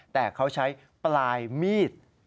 แต่เขาใช้ปลายมีด